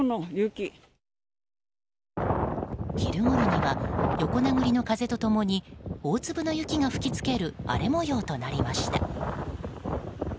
昼ごろには横殴りの風と共に大粒の雪が吹き付ける荒れ模様となりました。